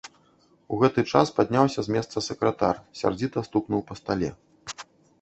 У гэты час падняўся з месца сакратар, сярдзіта стукнуў па стале.